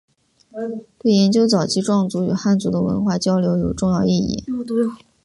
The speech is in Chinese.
对研究早期壮族与汉族的文化交流有重要意义。